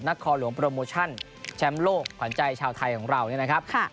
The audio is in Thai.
คอหลวงโปรโมชั่นแชมป์โลกขวัญใจชาวไทยของเราเนี่ยนะครับ